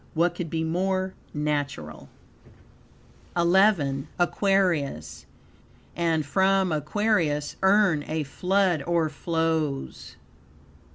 What could be more natural? XI. Aquarius "And from Aquarius' urn a flood o'erflows."